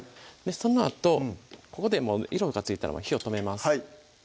そのあとここで色がついたら火を止めます